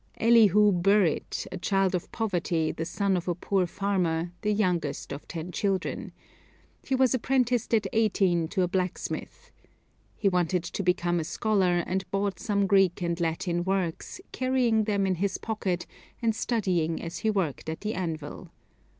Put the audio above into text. Elihu Burritt, a child of poverty, the son of a poor farmer, the youngest of ten children. He was apprenticed at eighteen to a blacksmith. He wanted to become a scholar and bought some Greek and Latin works, carrying them in his pocket and studying as he worked at the anvil.